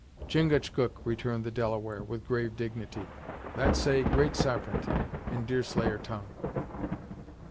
"Chingachgook," returned the Delaware with grave dignity. "That say Great Sarpent, in Deerslayer tongue."